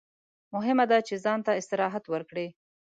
مهمه ده چې ځان ته استراحت ورکړئ.